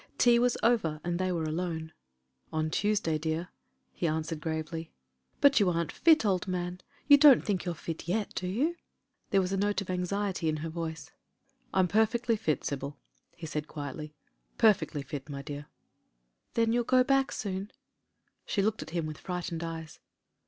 Tea was over, and they were alone. ^On Tuesday, dear," he answered gravely. ^But you aren't fit, old man ; you don't think you're fit yet, do you ?" There was a note of anxiety in her voice. 'I'm perfectly fit, Sybil," he said quietly — "per fectly fit, my dear." "Then you'll go back soon?" She looked at him with frightened eyes.